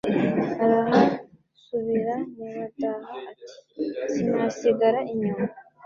Arahasubira NyabadahaAti: sinasigara inyuma